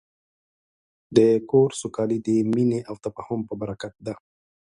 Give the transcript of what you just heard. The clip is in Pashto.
د کور سوکالي د مینې او تفاهم په برکت ده.